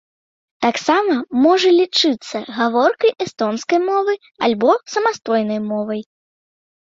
Таксама можа лічыцца гаворкай эстонскай мовы альбо самастойнай мовай.